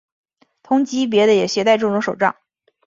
同级别的也携带这种手杖。